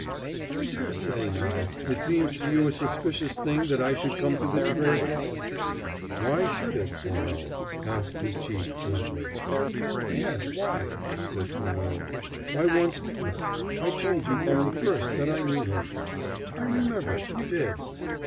"I dare say, now, it seems to you a suspicious thing that I should come to this grave at all." "Why should it, Furneaux?" asked his chief bluntly. "Yes, why?" said Furneaux. "I once knew her. I told you from the first that I knew her." "I remember: you did."